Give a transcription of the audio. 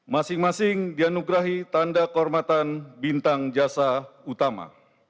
masing masing dianugerahi tanda kehormatan bintang jasa utama